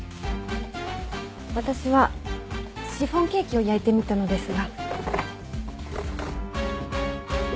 私はシフォンケーキを焼いてみたのですが。